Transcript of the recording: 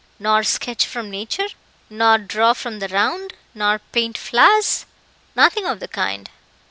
"Nor sketch from nature nor draw from the round nor paint flowers?" "Nothing of the kind."